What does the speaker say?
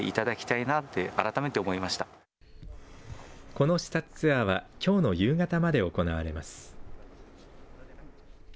この視察ツアーはきょうの夕方まで行われます。